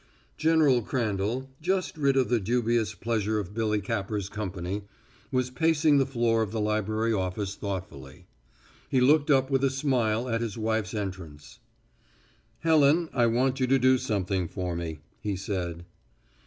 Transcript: General Crandall, just rid of the dubious pleasure of Billy Capper's company, was pacing the floor of the library office thoughtfully. He looked up with a smile at his wife's entrance. "Helen, I want you to do something for me," he said.